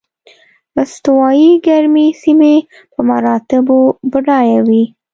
استوایي ګرمې سیمې په مراتبو بډایه وې.